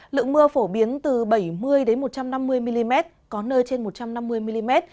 lượng mưa phổ biến từ bảy mươi một trăm năm mươi mm có nơi trên một trăm năm mươi mm